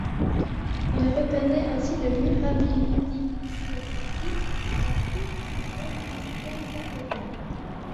Il reconnait ainsi le muramyldipeptide, un peptidoglycane bactérien.